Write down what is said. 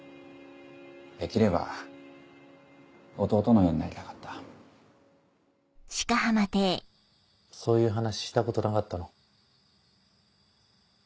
できれば弟のようになりたかったそういう話したことなかったの？